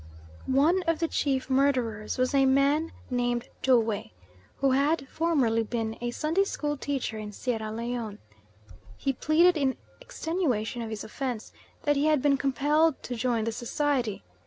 One of the chief murderers was a man named Jowe, who had formerly been a Sunday school teacher in Sierra Leone. He pleaded in extenuation of his offence that he had been compelled to join the society.